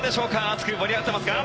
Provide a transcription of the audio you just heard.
熱く盛り上がってますか？